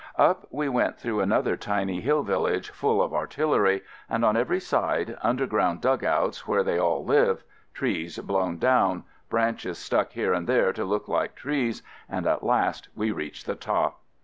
Up we went through another tiny hill village full of artillery, and on every side, underground dugouts where they all live — trees blown down — branches stuck here and there to look like trees, and at last we reached the top.